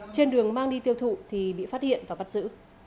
trên đường mang đi tiêu thụ thì bị phát hiện và bắt giữ